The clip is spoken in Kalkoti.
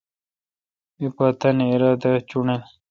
می پ تانی ارادا چݨیل۔